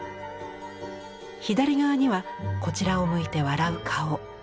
左側にはこちらを向いて笑う顔。